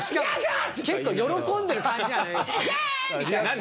結構喜んでる感じなの。